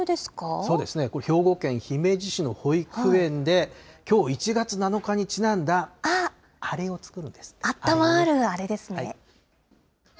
そうですね、これ、兵庫県姫路市の保育園で、きょう１月７日あったまるあれですね？